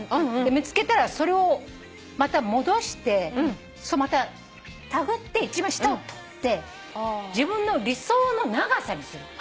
見つけたらそれをまた戻してまた手繰って一番下を取って自分の理想の長さにするの。